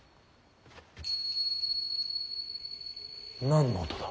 何の音だ。